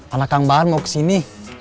anak kang baan mau kesini